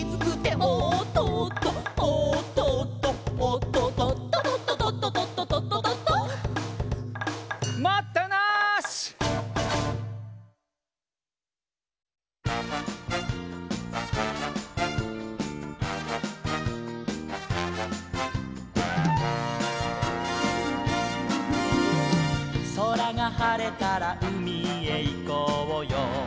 「おっととととととととととととと」「まったなし」「そらがはれたらうみへいこうよ」